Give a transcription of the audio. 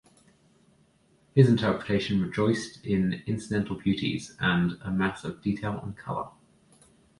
His interpretation rejoiced in "incidental beauties" and "a mass of detail and colour".